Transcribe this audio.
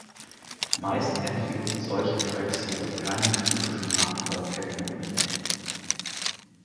Meist enthielten solche Tracks jedoch keinen typischen Hardcore-Techno-Beat.